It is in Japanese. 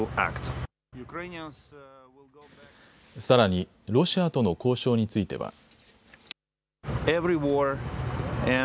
さらにロシアとの交渉については。